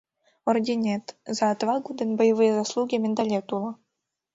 Орденет, «За отвагу» ден «Боевые заслуги» медалет уло.